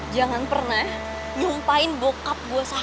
jangan pernah nyumpain bokap gue sakit